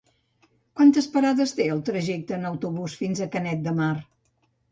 Quantes parades té el trajecte en autobús fins a Canet de Mar?